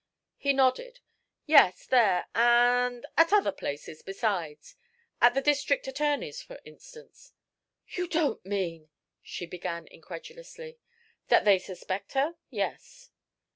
He nodded. "Yes, there, and at other places besides. At the District Attorney's, for instance" "You don't mean?" she began incredulously. "That they suspect her? Yes."